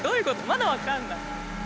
まだ分かんない。